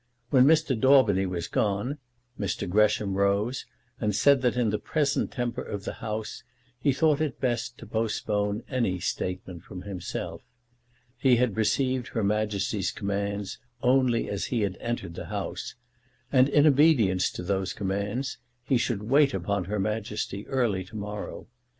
When Mr. Daubeny was gone, Mr. Gresham rose and said that in the present temper of the House he thought it best to postpone any statement from himself. He had received Her Majesty's commands only as he had entered that House, and in obedience to those commands, he should wait upon Her Majesty early to morrow.